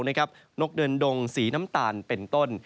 นกเดินดงสีน้ำตาลเป็นต้น